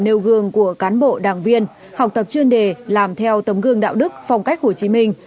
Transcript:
nêu gương của cán bộ đảng viên học tập chuyên đề làm theo tấm gương đạo đức phong cách hồ chí minh